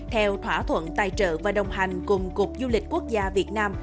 theo thỏa thuận tài trợ và đồng hành cùng cục du lịch quốc gia việt nam